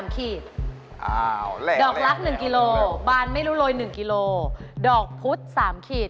ขีดดอกละ๑กิโลบานไม่รู้โรย๑กิโลดอกพุธ๓ขีด